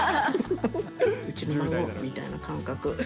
うちの孫みたいな感覚。